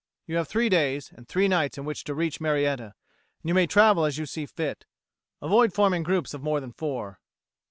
You have three days and three nights in which to reach Marietta, and you may travel as you see fit. Avoid forming groups of more than four.